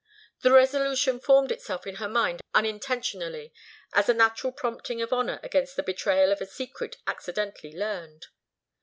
The resolution formed itself in her mind unintentionally, as a natural prompting of honour against the betrayal of a secret accidentally learned.